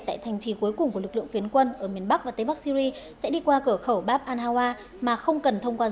tại thành trì cuối cùng của lực lượng phiến quân ở miền bắc và tây bắc